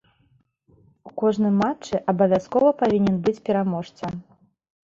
У кожным матчы абавязкова павінен быць пераможца.